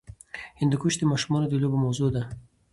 هندوکش د ماشومانو د لوبو موضوع ده.